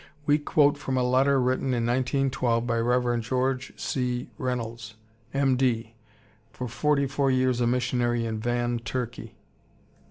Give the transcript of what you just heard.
We quote from a letter written in 1912 by Rev. George C. Reynolds, M. D., for forty four years a missionary in Van, Turkey.